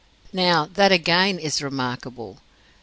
Now, that again is remarkable.